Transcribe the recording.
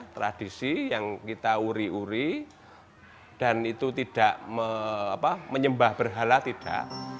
tradisi yang kita uri uri dan itu tidak menyembah berhala tidak